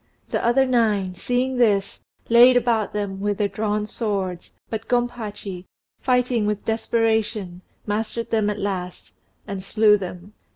The other nine, seeing this, laid about them with their drawn swords, but Gompachi, fighting with desperation, mastered them at last, and slew them.